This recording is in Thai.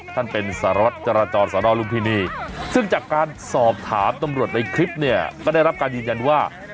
ท่านเป็นสารวัตรจราจรสนลุมพินีซึ่งจากการสอบถามตำรวจในคลิปเนี่ยก็ได้รับการยืนยันว่า